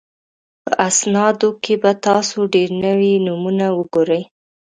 په اسنادو کې به تاسو ډېر نوي نومونه وګورئ.